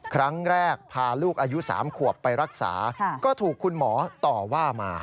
พาลูกอายุ๓ขวบไปรักษาก็ถูกคุณหมอต่อว่ามา